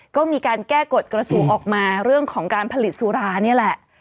ก็มีการแก้กฎกระทรวงออกมาเรื่องของการผลิตสุรานี่แหละ